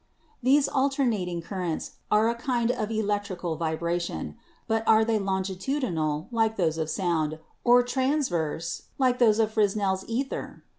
"These alternating currents are a kind of electrical vibration ; but are they longitudinal, like those of sound, or transverse, like those of FresneFs ether?